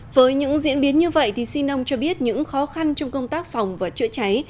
với những diễn biến như vậy thì xin ông cho biết những khó khăn trong công tác phòng và chữa cháy